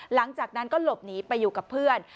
หลังจากนั้นก็หลบหนีไปอยู่กับเพื่อน